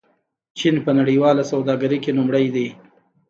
چین په نړیواله سوداګرۍ کې لومړی دی.